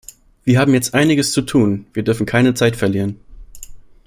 Wir haben jetzt einiges zu tun, wir dürfen keine Zeit verlieren.